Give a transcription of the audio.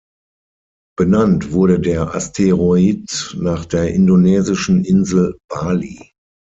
Benannt wurde der Asteroid nach der indonesischen Insel Bali.